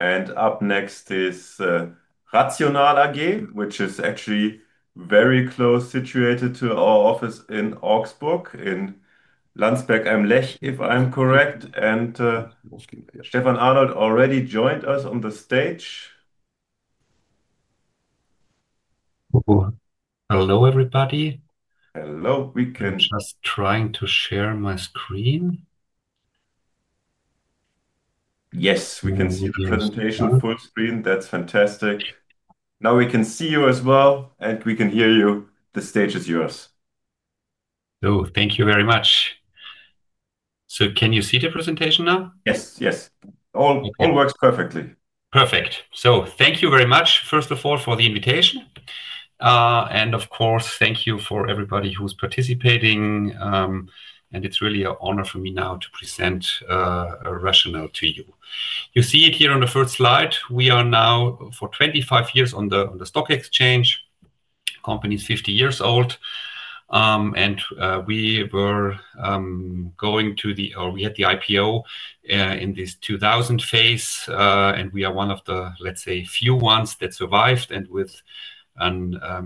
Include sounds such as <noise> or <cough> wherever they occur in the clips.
Up next is RATIONAL AG, which is actually very close, situated to our office in Augsburg, in Landsberg am Lech, if I'm correct. Stefan Arnold already joined us on the stage. Hello, everybody. Hello. I'm just trying to share my screen. <crosstalk> Yes, we can see the presentation full screen. That's fantastic. Now we can see you as well, and we can hear you. The stage is yours. Thank you very much. Can you see the presentation now? Yes, yes. All works perfectly. Perfect. Thank you very much, first of all, for the invitation. Of course, thank you for everybody who's participating. It's really an honor for me now to present RATIONAL to you. You see it here on the first slide. We are now for 25 years on the stock exchange. The company is 50 years old. We had the IPO in this 2000 phase. We are one of the, let's say, few ones that survived. With a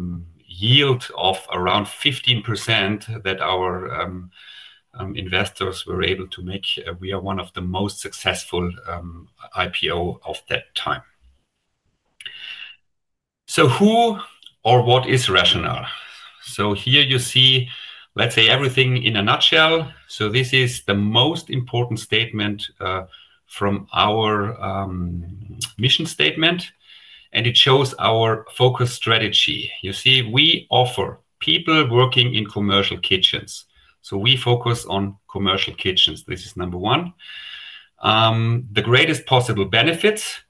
yield of around 15% that our investors were able to make, we are one of the most successful IPO of that time. Who or what is RATIONAL? Here you see, let's say, everything in a nutshell. This is the most important statement from our mission statement. It shows our focus strategy. You see, we offer people working in commercial kitchens. We focus on commercial kitchens. This is number one. The greatest possible benefits.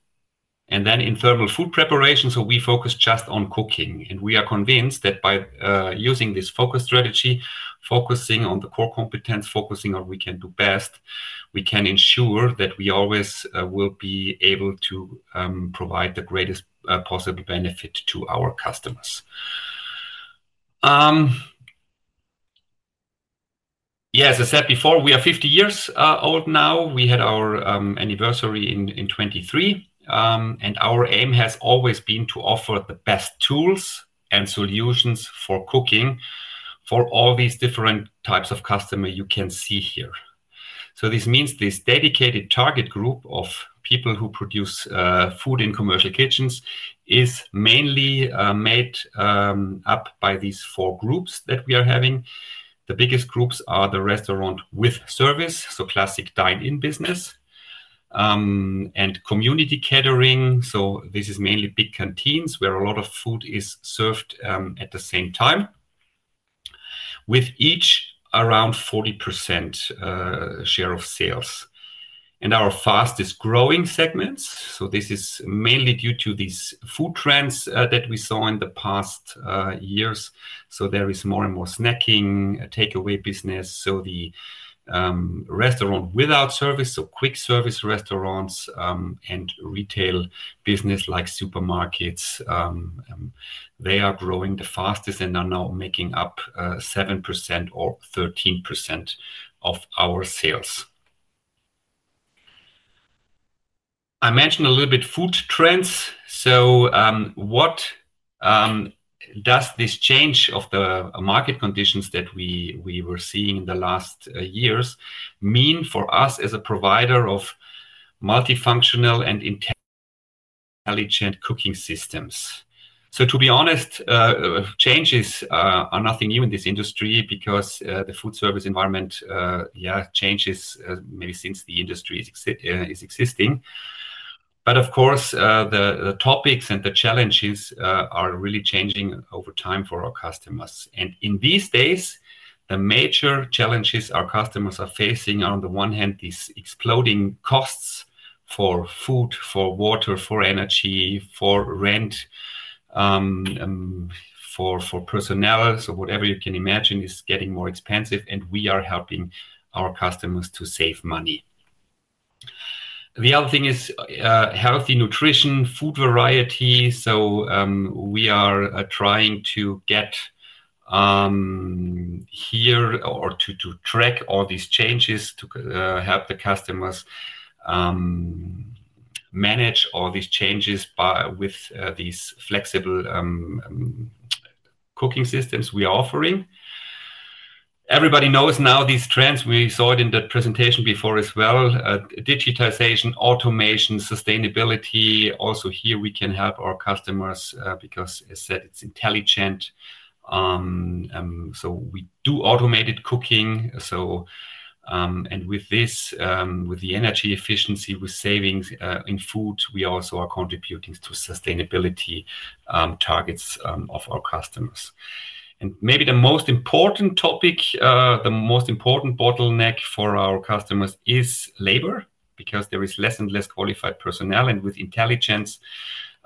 Then in thermal food preparation, we focus just on cooking. We are convinced that by using this focus strategy, focusing on the core competence, focusing on what we can do best, we can ensure that we always will be able to provide the greatest possible benefit to our customers. As I said before, we are 50 years old now. We had our anniversary in 2023. Our aim has always been to offer the best tools and solutions for cooking for all these different types of customers you can see here. This means this dedicated target group of people who produce food in commercial kitchens is mainly made up by these four groups that we are having. The biggest groups are the restaurant with service, so classic dine-in business, and community catering. This is mainly big canteens where a lot of food is served at the same time, with each around 40% share of sales. Our fastest growing segments, this is mainly due to these food trends that we saw in the past years. There is more and more snacking, takeaway business. The restaurant without service, so quick service restaurants, and retail business like supermarkets, they are growing the fastest and are now making up 7% or 13% of our sales. I mentioned a little bit food trends. What does this change of the market conditions that we were seeing in the last years mean for us as a provider of multifunctional and intelligent cooking systems? To be honest, changes are nothing new in this industry because the food service environment changes maybe since the industry is existing. Of course, the topics and the challenges are really changing over time for our customers. In these days, the major challenges our customers are facing are, on the one hand, these exploding costs for food, for water, for energy, for rent, for personnel, so whatever you can imagine is getting more expensive. We are helping our customers to save money. The other thing is healthy nutrition, food variety. We are trying to get here or to track all these changes to help the customers manage all these changes with these flexible cooking systems we are offering. Everybody knows now these trends. We saw it in the presentation before as well: digitization, automation, sustainability. Also here, we can help our customers because, as I said, it's intelligent. We do automated cooking. With this, with the energy efficiency, with savings in food, we also are contributing to sustainability targets of our customers. Maybe the most important topic, the most important bottleneck for our customers is labor because there is less and less qualified personnel. With intelligence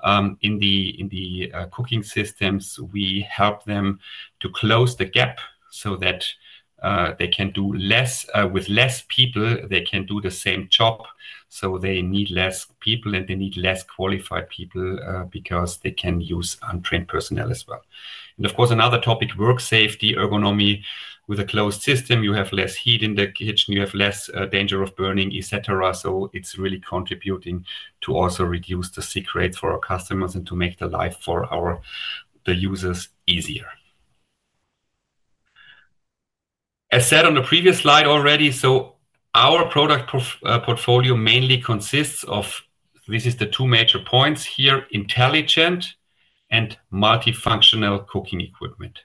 in the cooking systems, we help them to close the gap so that they can do less. With less people, they can do the same job. They need less people, and they need less qualified people because they can use untrained personnel as well. Another topic: work safety, ergonomy. With a closed system, you have less heat in the kitchen, you have less danger of burning, etc. It is really contributing to also reduce the sick rates for our customers and to make the life for the users easier. As said on the previous slide already, our product portfolio mainly consists of, this is the two major points here: intelligent and multifunctional cooking equipment.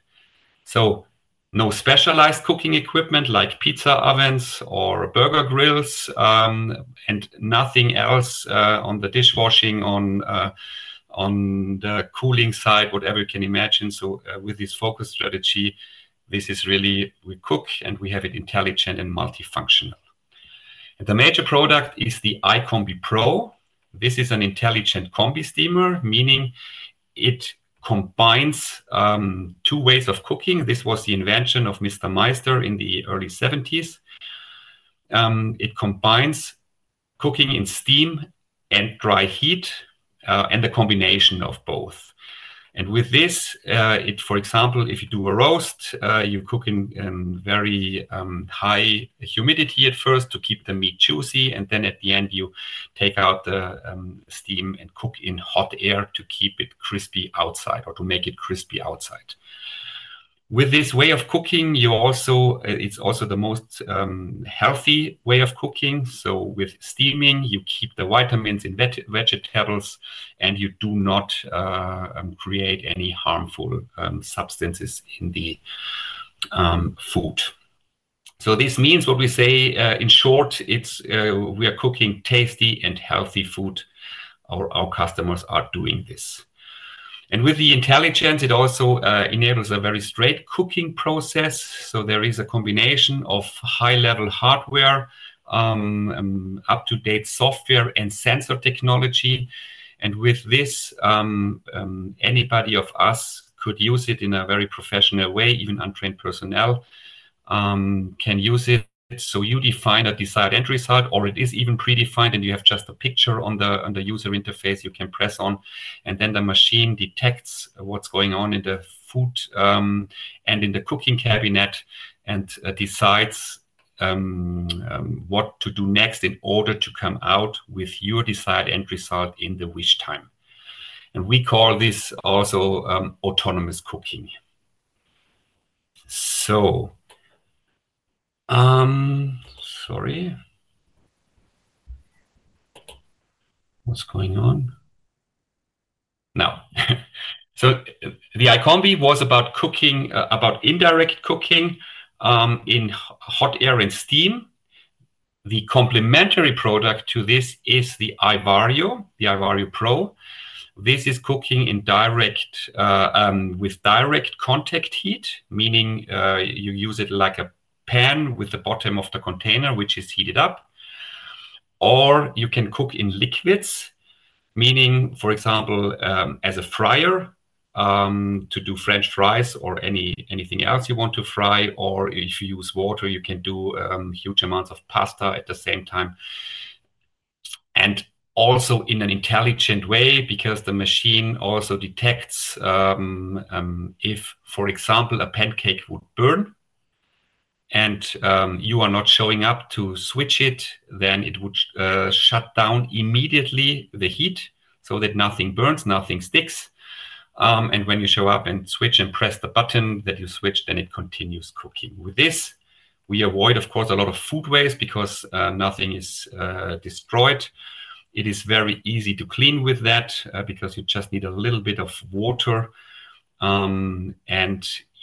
No specialized cooking equipment like pizza ovens or burger grills, and nothing else on the dishwashing, on the cooling side, whatever you can imagine. With this focus strategy, this is really, we cook and we have it intelligent and multifunctional. The major product is the iCombi Pro. This is an intelligent combi steamer, meaning it combines two ways of cooking. This was the invention of Mr. Meister in the early 1970s. It combines cooking in steam and dry heat and a combination of both. With this, for example, if you do a roast, you cook in very high humidity at first to keep the meat juicy. At the end, you take out the steam and cook in hot air to keep it crispy outside or to make it crispy outside. With this way of cooking, it's also the most healthy way of cooking. With steaming, you keep the vitamins in vegetables, and you do not create any harmful substances in the food. This means what we say in short, we are cooking tasty and healthy food. Our customers are doing this. With the intelligence, it also enables a very straight cooking process. There is a combination of high-level hardware, up-to-date software, and sensor technology. With this, anybody of us could use it in a very professional way. Even untrained personnel can use it. You define a desired end result, or it is even predefined, and you have just a picture on the user interface you can press on. The machine detects what's going on in the food and in the cooking cabinet and decides what to do next in order to come out with your desired end result in the wish time. We call this also autonomous cooking. The iCombi was about cooking, about indirect cooking in hot air and steam. The complementary product to this is the iVario, the iVario Pro. This is cooking with direct contact heat, meaning you use it like a pan with the bottom of the container, which is heated up. You can cook in liquids, meaning, for example, as a fryer to do french fries or anything else you want to fry. If you use water, you can do huge amounts of pasta at the same time. Also in an intelligent way because the machine also detects if, for example, a pancake would burn and you are not showing up to switch it, then it would shut down immediately the heat so that nothing burns, nothing sticks. When you show up and switch and press the button that you switched, then it continues cooking. With this, we avoid a lot of food waste because nothing is destroyed. It is very easy to clean with that because you just need a little bit of water.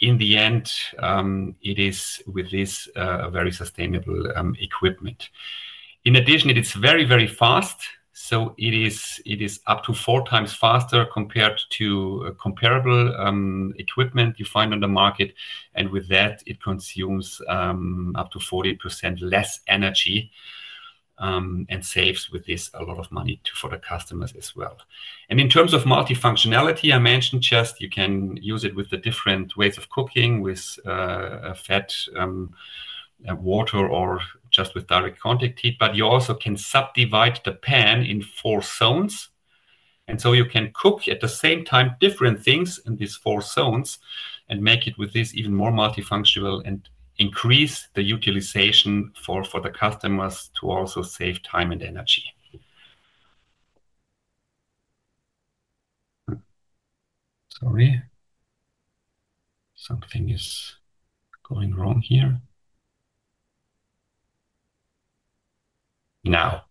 In the end, it is with this very sustainable equipment. In addition, it is very, very fast. It is up to 4x faster compared to comparable equipment you find on the market. With that, it consumes up to 40% less energy and saves a lot of money for the customers as well. In terms of multifunctionality, I mentioned just you can use it with the different ways of cooking, with fat, water, or just with direct contact heat. You also can subdivide the pan in four zones, so you can cook at the same time different things in these four zones and make it even more multifunctional and increase the utilization for the customers to also save time and energy. Now,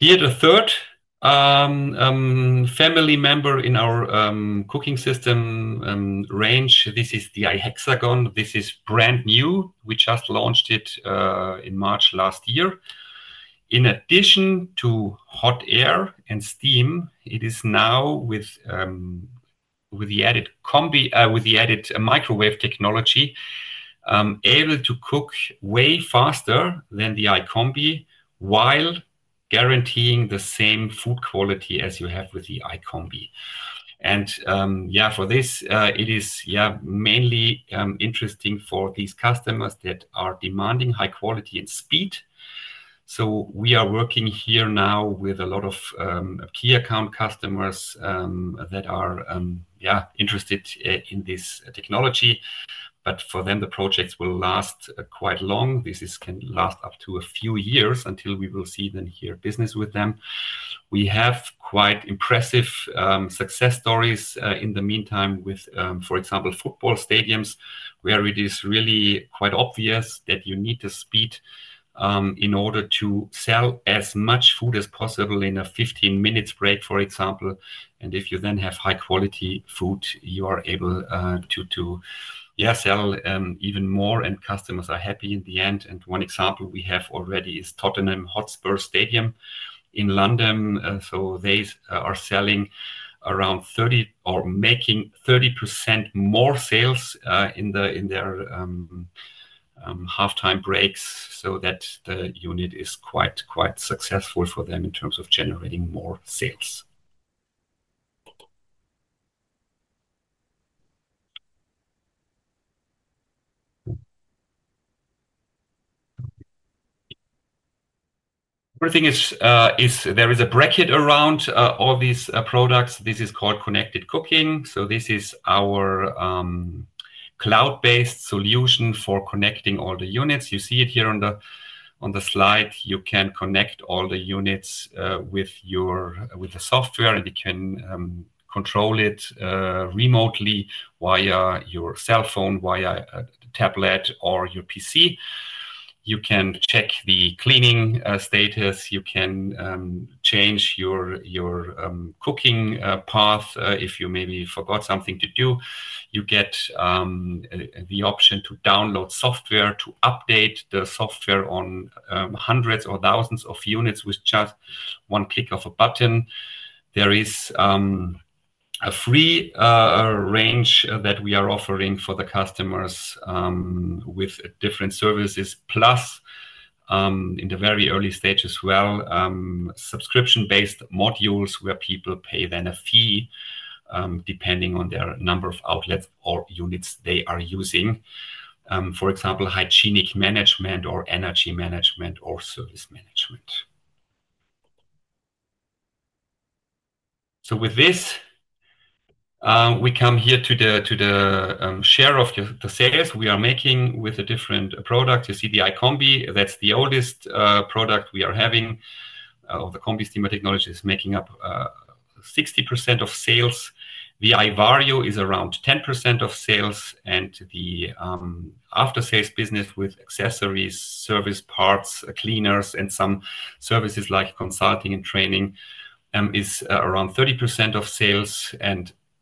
here the third family member in our cooking system range, this is the iHexagon. This is brand new. We just launched it in March last year. In addition to hot air and steam, it is now with the added microwave technology able to cook way faster than the iCombi while guaranteeing the same food quality as you have with the iCombi. For this, it is mainly interesting for these customers that are demanding high quality and speed. We are working here now with a lot of key account customers that are interested in this technology. For them, the projects will last quite long. This can last up to a few years until we will see business with them. We have quite impressive success stories in the meantime with, for example, football stadiums where it is really quite obvious that you need the speed in order to sell as much food as possible in a 15-minute break, for example. If you then have high-quality food, you are able to sell even more and customers are happy in the end. One example we have already is Tottenham Hotspur Stadium in London. They are making 30% more sales in their halftime breaks. That unit is quite successful for them in terms of generating more sales. One thing is there is a bracket around all these products. This is called ConnectedCooking. This is our cloud-based solution for connecting all the units. You see it here on the slide. You can connect all the units with the software and you can control it remotely via your cell phone, via a tablet, or your PC. You can check the cleaning status. You can change your cooking path if you maybe forgot something to do. You get the option to download software, to update the software on hundreds or thousands of units with just one click of a button. There is a free range that we are offering for the customers with different services, plus in the very early stage as well, subscription-based modules where people pay then a fee depending on their number of outlets or units they are using. For example, hygienic management or energy management or service management. With this, we come here to the share of the sales we are making with a different product. You see the iCombi. That's the oldest product we are having. The combi steamer technology is making up 60% of sales. The iVario is around 10% of sales. The after-sales business with accessories, service parts, cleaners, and some services like consulting and training is around 30% of sales.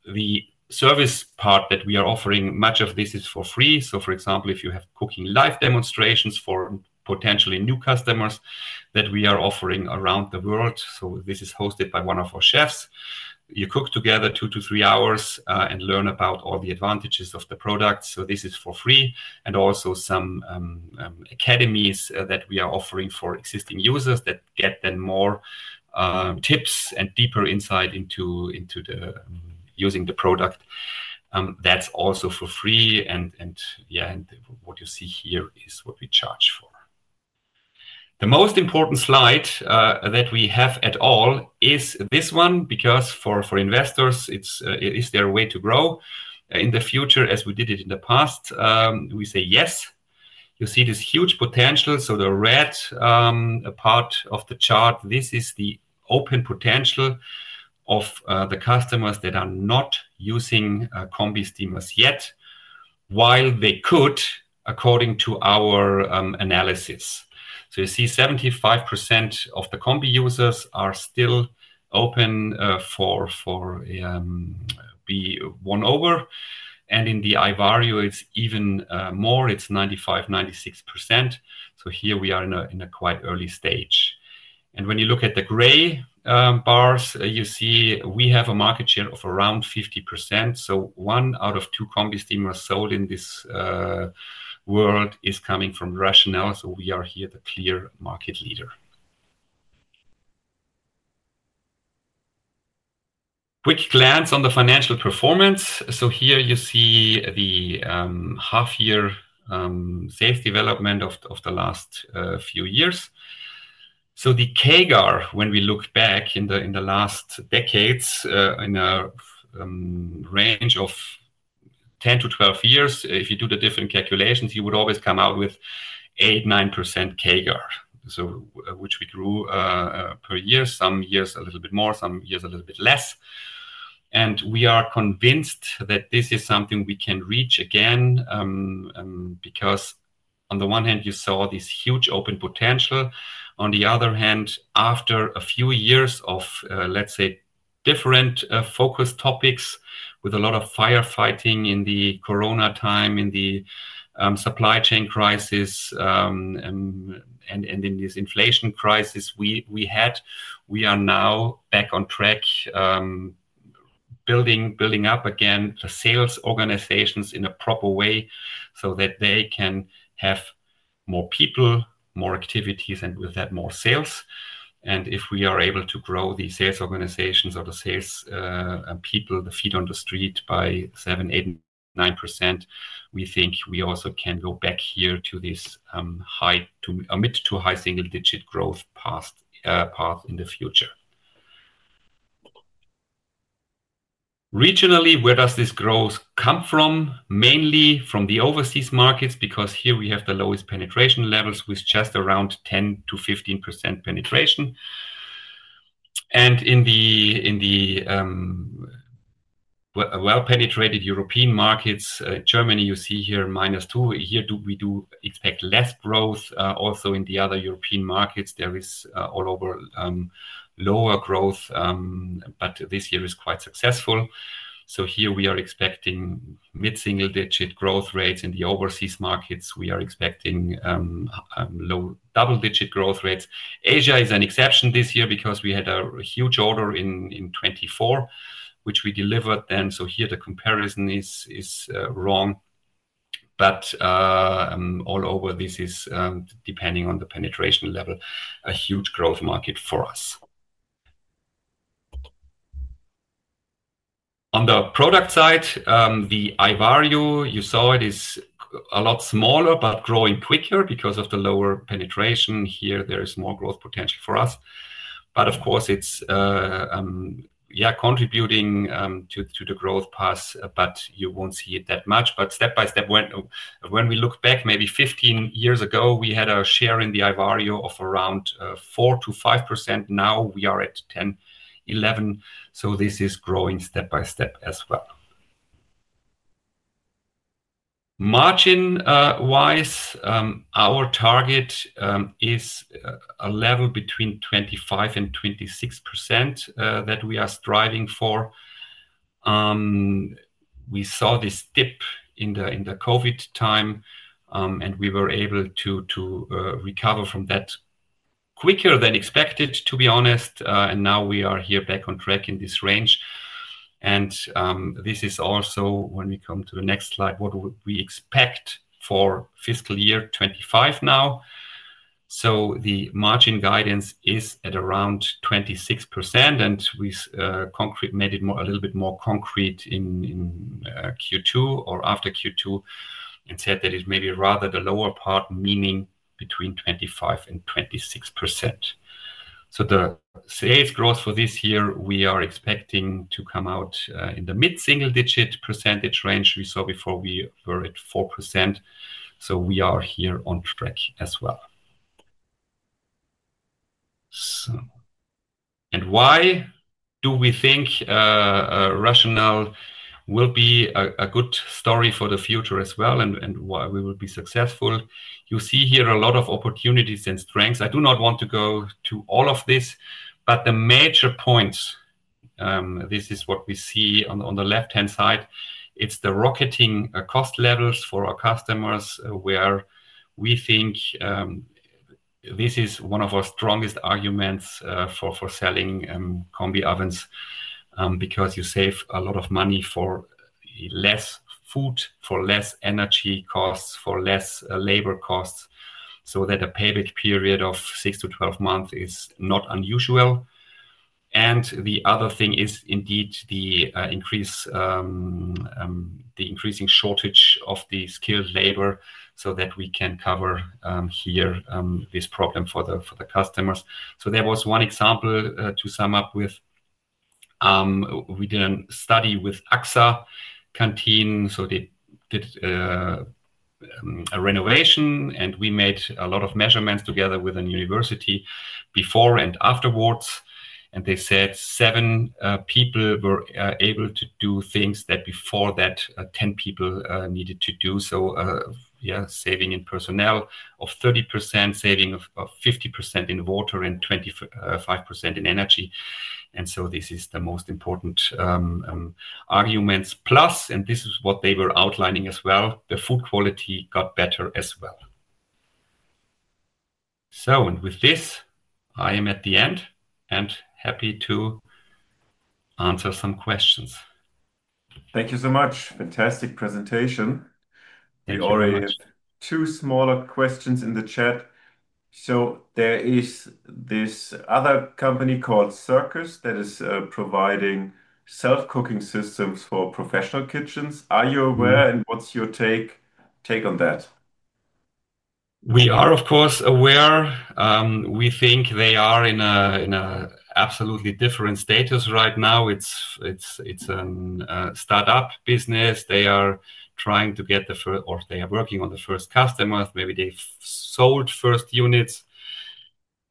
The service part that we are offering, much of this is for free. For example, if you have cooking live demonstrations for potentially new customers that we are offering around the world, this is hosted by one of our chefs. You cook together two to three hours and learn about all the advantages of the products. This is for free. Also, some academies that we are offering for existing users that get then more tips and deeper insight into using the product, that's also for free. What you see here is what we charge for. The most important slide that we have at all is this one because for investors, is there a way to grow in the future as we did it in the past? We say yes. You see this huge potential. The red part of the chart, this is the open potential of the customers that are not using combi steamers yet while they could according to our analysis. You see 75% of the combi users are still open for the one over. In the iVario, it's even more. It's 95%, 96%. Here we are in a quite early stage. When you look at the gray bars, you see we have a market share of around 50%. One out of two combi steamers sold in this world is coming from RATIONAL. We are here the clear market leader. Quick glance on the financial performance. Here you see the half-year sales development of the last few years. The CAGR, when we look back in the last decades, in a range of 10-12 years, if you do the different calculations, you would always come out with 8%, 9% CAGR, which we grew per year, some years a little bit more, some years a little bit less. We are convinced that this is something we can reach again because on the one hand, you saw this huge open potential. On the other hand, after a few years of, let's say, different focus topics with a lot of firefighting in the Corona time, in the supply chain crisis, and in this inflation crisis we had, we are now back on track, building up again the sales organizations in a proper way so that they can have more people, more activities, and with that, more sales. If we are able to grow the sales organizations or the sales people, the feet on the street by 7%, 8%, 9%, we think we also can go back here to this mid to high single-digit growth path in the future. Regionally, where does this growth come from? Mainly from the overseas markets because here we have the lowest penetration levels with just around 10%-15% penetration. In the well-penetrated European markets, Germany, you see here -2%. We do expect less growth here. Also, in the other European markets, there is all over lower growth, but this year is quite successful. We are expecting mid-single-digit growth rates here. In the overseas markets, we are expecting low double-digit growth rates. Asia is an exception this year because we had a huge order in 2024, which we delivered then. Here, the comparison is wrong. All over, this is, depending on the penetration level, a huge growth market for us. On the product side, the iVario, you saw it is a lot smaller but growing quicker because of the lower penetration. There is more growth potential for us here. Of course, it's contributing to the growth path, but you won't see it that much. Step by step, when we look back, maybe 15 years ago, we had a share in the iVario of around 4%-5%. Now we are at 10%, 11%. This is growing step by step as well. Margin-wise, our target is a level between 25% and 26% that we are striving for. We saw this dip in the COVID time, and we were able to recover from that quicker than expected, to be honest. Now we are here back on track in this range. This is also, when we come to the next slide, what we expect for fiscal year 2025 now. The margin guidance is at around 26%. We made it a little bit more concrete in Q2 or after Q2 and said that it may be rather the lower part, meaning between 25% and 26%. The sales growth for this year, we are expecting to come out in the mid-single-digit percentage range. We saw before we were at 4%. We are here on track as well. Why do we think RATIONAL will be a good story for the future as well and why we will be successful? You see here a lot of opportunities and strengths. I do not want to go to all of this, but the major points, this is what we see on the left-hand side. It's the rocketing cost levels for our customers where we think this is one of our strongest arguments for selling combi ovens because you save a lot of money for less food, for less energy costs, for less labor costs. A payback period of six to 12 months is not unusual. The other thing is indeed the increasing shortage of skilled labor, so that we can cover this problem for the customers. There was one example to sum up with. We did a study with AXA Konzern]. They did a renovation, and we made a lot of measurements together with a university before and afterwards. They said seven people were able to do things that before that 10 people needed to do. Saving in personnel of 30%, saving of about 50% in water, and 25% in energy. These are the most important arguments. Plus, and this is what they were outlining as well, the food quality got better as well. With this, I am at the end and happy to answer some questions. Thank you so much. Fantastic presentation. We already have two smaller questions in the chat. There is this other company called Circus that is providing self-cooking systems for professional kitchens. Are you aware and what's your take on that? We are, of course, aware. We think they are in an absolutely different status right now. It's a startup business. They are trying to get the first, or they are working on the first customers. Maybe they sold first units.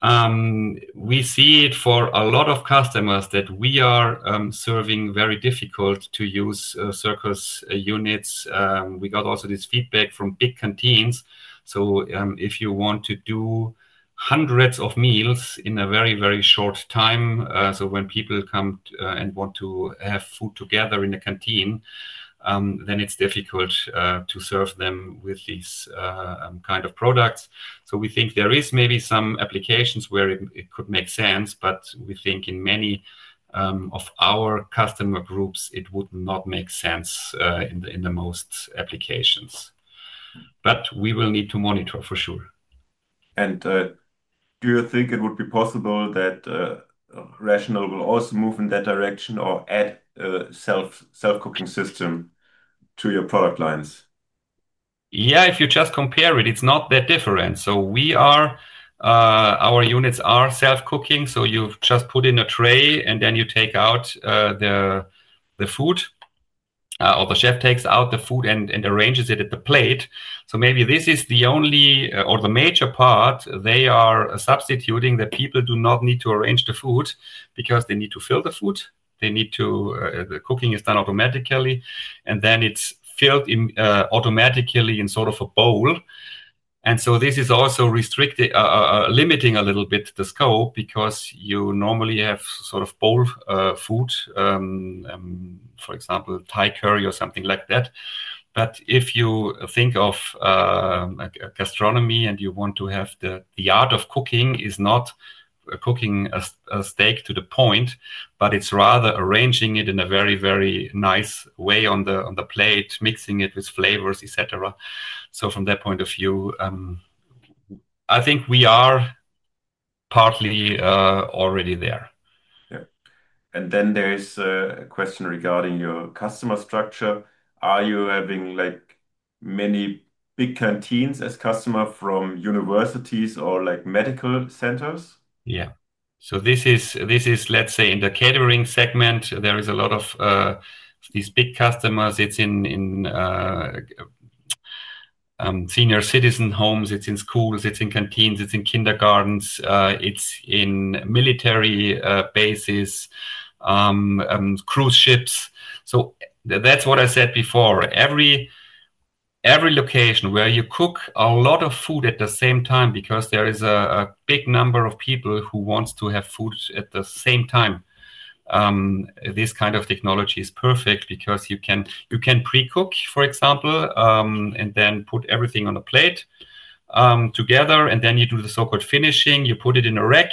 We see it for a lot of customers that we are serving, very difficult to use Circus units. We got also this feedback from big canteens. If you want to do hundreds of meals in a very, very short time, when people come and want to have food together in the canteen, it's difficult to serve them with these kinds of products. We think there is maybe some applications where it could make sense, but we think in many of our customer groups, it would not make sense in most applications. We will need to monitor for sure. Do you think it would be possible that RATIONAL will also move in that direction or add a self-cooking system to your product lines? Yeah, if you just compare it, it's not that different. Our units are self-cooking. You just put in a tray and then you take out the food, or the chef takes out the food and arranges it at the plate. Maybe this is the only or the major part they are substituting, that people do not need to arrange the food because they need to fill the food. The cooking is done automatically, and then it's filled automatically in sort of a bowl. This is also limiting a little bit the scope because you normally have sort of bowl food, for example, Thai curry or something like that. If you think of gastronomy and you want to have the art of cooking, it's not cooking a steak to the point, but it's rather arranging it in a very, very nice way on the plate, mixing it with flavors, etc. From that point of view, I think we are partly already there. Yeah, there's a question regarding your customer structure. Are you having many big canteens as customers from universities or medical centers? This is, let's say, in the catering segment, there is a lot of these big customers. It's in senior citizen homes, it's in schools, it's in canteens, it's in kindergartens, it's in military bases, cruise ships. That's what I said before. Every location where you cook a lot of food at the same time because there is a big number of people who want to have food at the same time. This kind of technology is perfect because you can pre-cook, for example, and then put everything on the plate together. You do the so-called finishing. You put it in a rack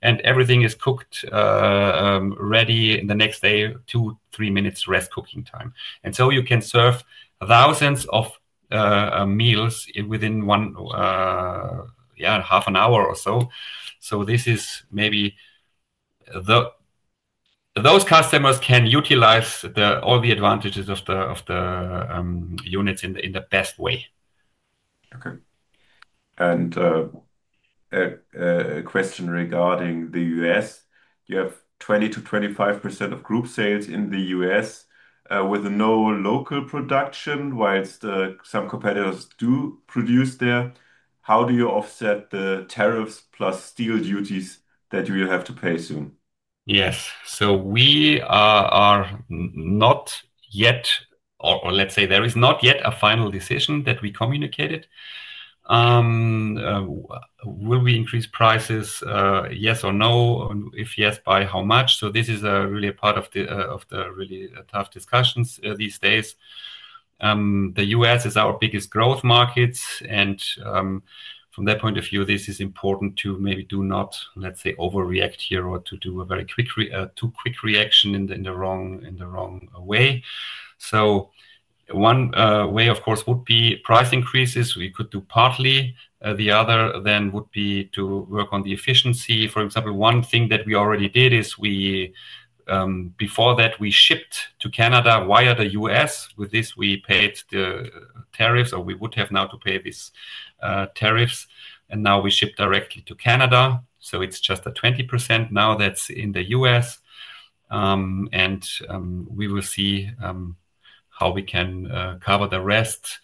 and everything is cooked ready in the next day, two, three minutes rest cooking time. You can serve thousands of meals within one, yeah, half an hour or so. Maybe those customers can utilize all the advantages of the units in the best way. Okay. A question regarding the U.S. You have 20%-25% of group sales in the U.S. with no local production, whilst some competitors do produce there. How do you offset the tariffs plus steel duties that you have to pay soon? Yes. We are not yet, or let's say there is not yet a final decision that we communicated. Will we increase prices, yes or no? If yes, by how much? This is really a part of the really tough discussions these days. The U.S. is our biggest growth market. From that point of view, this is important to maybe do not, let's say, overreact here or to do a very quick reaction in the wrong way. One way, of course, would be price increases. We could do partly. The other would be to work on the efficiency. For example, one thing that we already did is before that, we shipped to Canada via the U.S. With this, we paid the tariffs, or we would have now to pay these tariffs. Now we ship directly to Canada. It's just a 20% now that's in the U.S. We will see how we can cover the rest.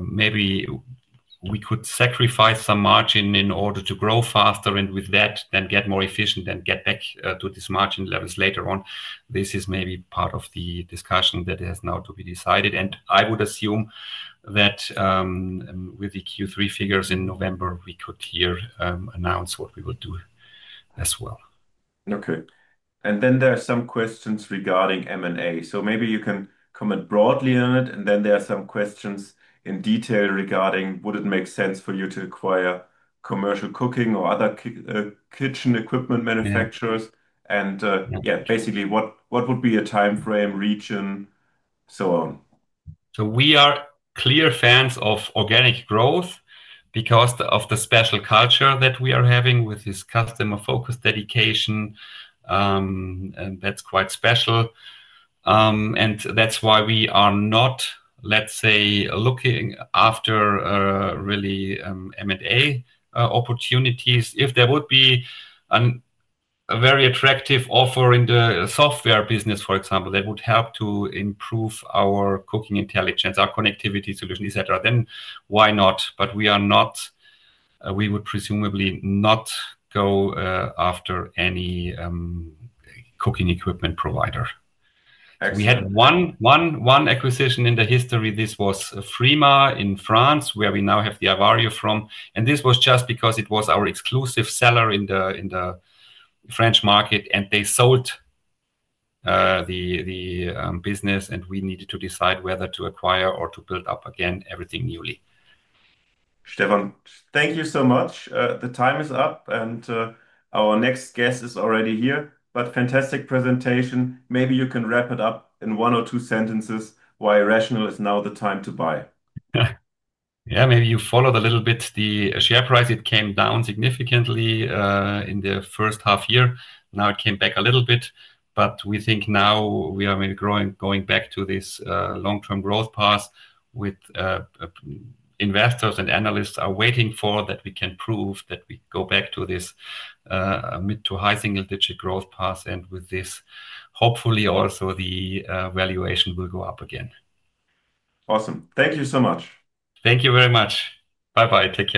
Maybe we could sacrifice some margin in order to grow faster and with that then get more efficient and get back to these margin levels later on. This is maybe part of the discussion that has now to be decided. I would assume that with the Q3 figures in November, we could here announce what we will do as well. Okay. There are some questions regarding M&A. Maybe you can comment broadly on it. There are some questions in detail regarding would it make sense for you to acquire commercial cooking or other kitchen equipment manufacturers. Basically, what would be a timeframe, region, and so on? We are clear fans of organic growth because of the special culture that we are having with this customer-focused dedication. That's quite special. That's why we are not, let's say, looking after really M&A opportunities. If there would be a very attractive offer in the software business, for example, that would help to improve our cooking intelligence, our connectivity solution, etc., then why not? We would presumably not go after any cooking equipment provider. We had one acquisition in the history. This was FRIMA in France where we now have the iVario from. This was just because it was our exclusive seller in the French market. They sold the business, and we needed to decide whether to acquire or to build up again everything newly. Stefan, thank you so much. The time is up and our next guest is already here. Fantastic presentation. Maybe you can wrap it up in one or two sentences why RATIONAL is now the time to buy. Yeah, maybe you followed a little bit the share price. It came down significantly in the first half year. Now it came back a little bit. We think now we are going back to this long-term growth path with investors and analysts are waiting for that we can prove that we go back to this mid to high single-digit growth path. With this, hopefully also the valuation will go up again. Awesome. Thank you so much. Thank you very much. Bye-bye. Take care.